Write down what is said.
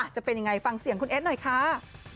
จะเป็นยังไงฟังเสียงคุณเอสหน่อยค่ะ